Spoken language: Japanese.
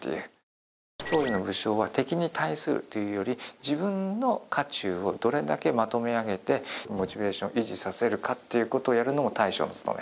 当時の武将は敵に対するというより自分の家中をどれだけまとめ上げてモチベーションを維持させるかっていう事をやるのも大将の務め。